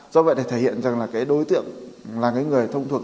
do vậy thì thể hiện rằng là cái đối tượng là cái người thông thuộc